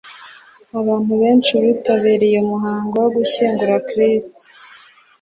Abantu benshi bitabiriye umuhango wo gushyingura Chris